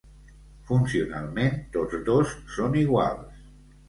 Funcionalment, tots dos són iguals.